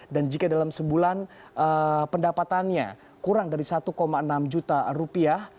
jika dalam sebulan pendapatannya kurang dari satu enam juta rupiah